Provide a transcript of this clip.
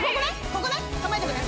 ここね構えとくね